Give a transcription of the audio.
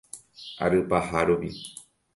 Ary paha rupi.